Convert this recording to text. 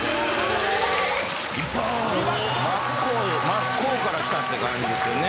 真っ向からきたって感じですね。